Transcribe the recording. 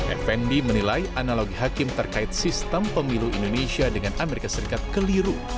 effendi menilai analogi hakim terkait sistem pemilu indonesia dengan amerika serikat keliru